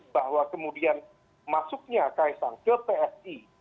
bahwa kemudian masuknya kaisang ke psi